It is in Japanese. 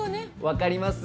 わかります。